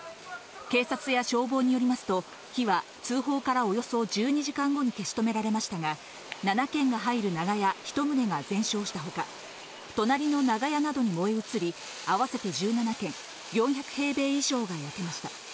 警察や消防によりますと、火は通報からおよそ１２時間後に消し止められましたが、７軒が入る長屋１棟が全焼したほか、隣の長屋などに燃え移り、合わせて１７軒、４００平米以上が焼けました。